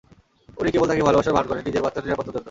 উনি কেবল তাকে ভালোবাসার ভান করেন নিজের বাচ্চার নিরাপত্তার জন্য।